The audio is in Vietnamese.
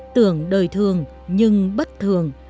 tưởng đời thường nhưng bất thường